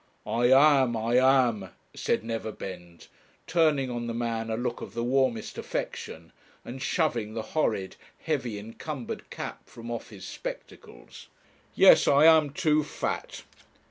'I am, I am,' said Neverbend, turning on the man a look of the warmest affection, and shoving the horrid, heavy, encumbered cap from off his spectacles; 'yes, I am too fat.'